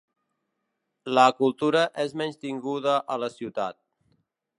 La cultura és menystinguda a la ciutat.